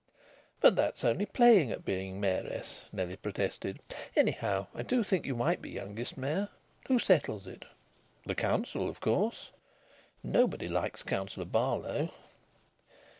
"But that's only playing at being mayoress!" Nellie protested. "Anyhow, I do think you might be youngest mayor. Who settles it?" "The Council, of course." "Nobody likes Councillor Barlow."